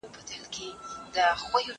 زه اجازه لرم چې کتاب واخلم؟